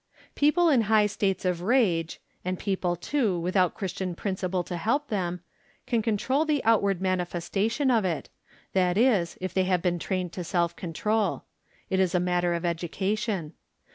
People in high states of rage, and people, too, " without Christian principle to help them, can control the outward manifestation of it ; that is, if they have been trained to self control. It is a matter of education.